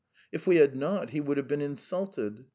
If we had not, he would have been insulted.